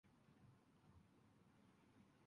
許せないよな